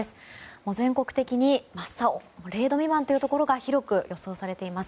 全国的に真っ青０度未満というところが広く予想されています。